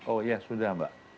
oh ya sudah mbak